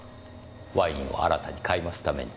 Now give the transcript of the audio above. ワインを新たに買い増すために。